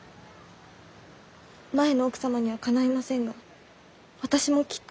前の奥様にはかないませんが私もきっと。